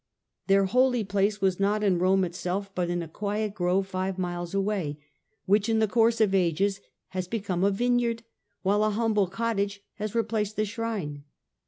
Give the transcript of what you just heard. Their holy place was not in Rome itself, but in a quiet grove five miles away, which in the course of ages has become a vineyard, while a humble cottage has replaced the shrine.